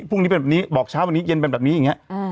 พรุ่งนี้เป็นแบบนี้บอกเช้าวันนี้เย็นเป็นแบบนี้อย่างนี้